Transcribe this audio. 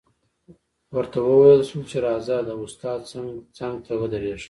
ورته وویل شول چې راځه د استاد څنګ ته ودرېږه